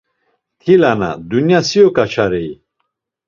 Mtilana, dunya si oǩaçarei!